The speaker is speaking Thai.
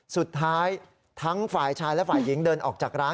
สุดท้ายทั้งฝ่ายชายและฝ่ายหญิงเดินออกจากร้าน